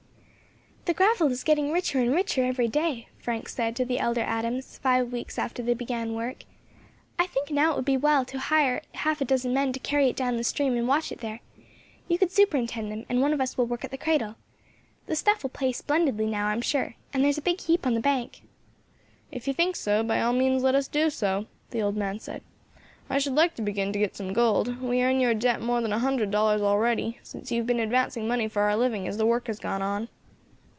"The gravel is getting richer and richer every day," Frank said to the elder Adams, five weeks after they began work. "I think now it would be as well to hire half a dozen men to carry it down to the stream and wash it there; you could superintend them, and one of us will work at the cradle. The stuff will pay splendidly now, I am sure, and there's a big heap on the bank." "If you think so, by all means let us do so," the old man said. "I should like to begin to get some gold; we are in your debt more than a hundred dollars already, since you have been advancing money for our living as the work has gone on."